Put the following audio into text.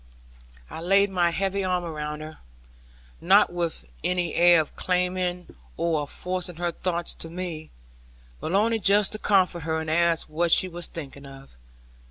I laid my heavy arm around her, not with any air of claiming or of forcing her thoughts to me, but only just to comfort her, and ask what she was thinking of.